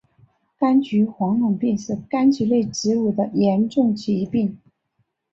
柑橘黄龙病是柑橘类植物的严重疾病。